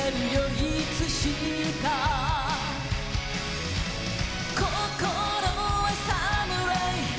いつしか心はサムライ